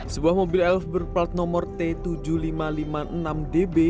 sebuah mobil elf berplat nomor t tujuh ribu lima ratus lima puluh enam db